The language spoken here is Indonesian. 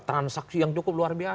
transaksi yang cukup luar biasa